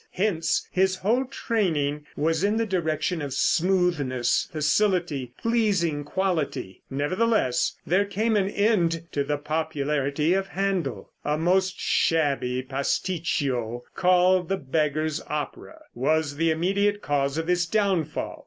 Hence his whole training was in the direction of smoothness, facility, pleasing quality. Nevertheless, there came an end to the popularity of Händel. A most shabby pasticcio called the "Beggar's Opera," was the immediate cause of his downfall.